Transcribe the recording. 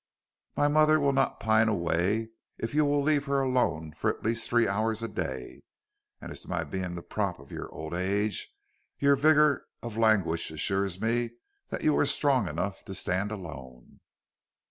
My mother will not pine away if you will leave her alone for at least three hours a day. And as to my being the prop of your old age, your vigor of language assures me that you are strong enough to stand alone."